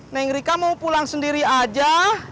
neng rika mau pulang sendiri aja